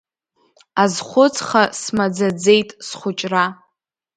Азхәыцха смаӡаӡеит схәыҷра…